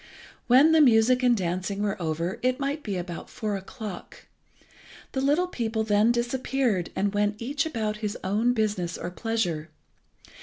When the music and dancing were over it might be about four o'clock. The little people then disappeared, and went each about his own business or pleasure.